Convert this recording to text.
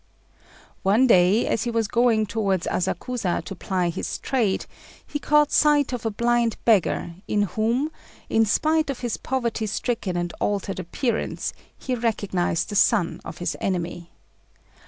One day, as he was going towards Asakusa to ply his trade, he caught sight of a blind beggar, in whom, in spite of his poverty stricken and altered appearance, he recognized the son of his enemy.